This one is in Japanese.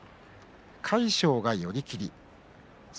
魁勝が寄り切り。